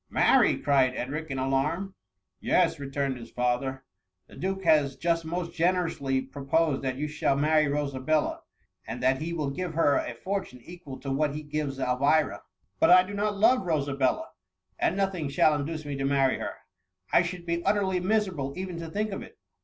'" Marry !'' cried Edric, in alarm. i< THE MUMMY. 80 " Yes," returned his father, *' the duke has just most generously proposed that you shall marry Rosabella ; and that he will give her a fortune equal to what he gives Elvira.'" *^ But I do not love Rosabella, and nothing shall induce me to marry her : I should be ut terly miserable even to think of it."